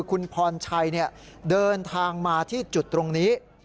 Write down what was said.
คุณพรชัยเดินทางมาที่จุดตรงนี้